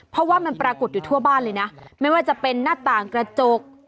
เพราะว่ามันปรากฏอยู่ทั่วบ้านเลยนะไม่ว่าจะเป็นหน้าต่างกระจก